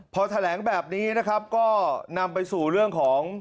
พอแถลงแบบนี้นะครับก็นำไปสู่เรื่องของ